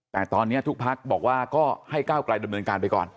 แต่ตอนนี้ทุกพักบอกว่าก็ให้ก้าวกลายดำเนินการไปก่อน